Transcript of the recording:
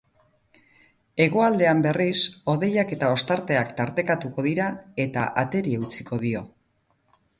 Hegoaldean, berriz, hodeiak eta ostarteak tartekatuko dira eta ateri eutsiko dio.